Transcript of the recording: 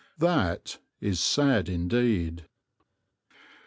That is sad indeed.